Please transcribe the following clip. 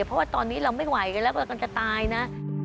เพราะว่าตอนนี้เราไม่ไหวแล้วเราก็จะตายนะ